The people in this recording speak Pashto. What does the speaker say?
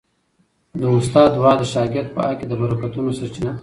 د استاد دعا د شاګرد په حق کي د برکتونو سرچینه ده.